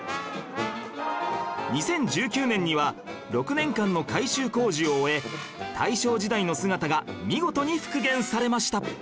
２０１９年には６年間の改修工事を終え大正時代の姿が見事に復元されました